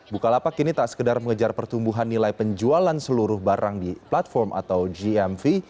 bukalapak ini tak sekedar mengejar pertumbuhan nilai penjualan seluruh barang di platform atau gmv